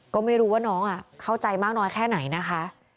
ก็ไม่รู้ว่าน้องเข้าใจมากน้อยแค่ไหนนะคะ